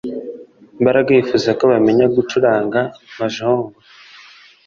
Mbaraga yifuza ko yamenya gucuranga mahjong